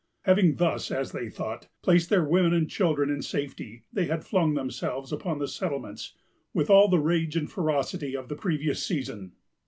Having thus, as they thought, placed their women and children in safety, they had flung themselves upon the settlements with all the rage and ferocity of the previous season.